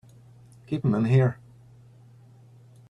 Keep him in here!